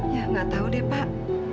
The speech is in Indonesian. ya nggak tahu deh pak